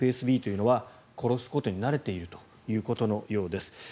ＦＳＢというのは殺すことに慣れているということのようです。